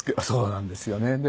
そうなんですよね。